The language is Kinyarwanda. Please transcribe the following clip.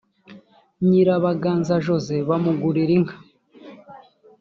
nyirabaganza jose bamugurira inka.